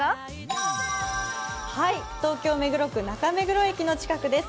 東京・目黒区中目黒駅の近くです。